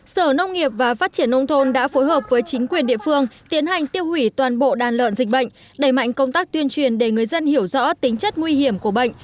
sở nông nghiệp và phát triển nông thôn đã phối hợp với chính quyền địa phương tiến hành tiêu hủy toàn bộ đàn lợn dịch bệnh đẩy mạnh công tác tuyên truyền để người dân hiểu rõ tính chất nguy hiểm của bệnh